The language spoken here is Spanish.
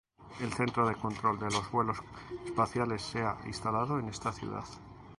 El centro de control de los vuelos espaciales se ha instalado en esta ciudad.